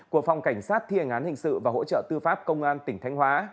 của phòng cảnh sát thiền án hình sự và hỗ trợ tư pháp công an tỉnh thanh hóa